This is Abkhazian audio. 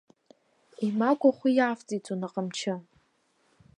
Имагә ахәы иавҵеиҵон аҟамчы.